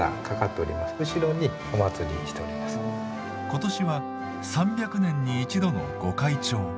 今年は３００年に１度のご開帳。